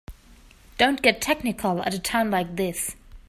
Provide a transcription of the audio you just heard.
Don't get technical at a time like this.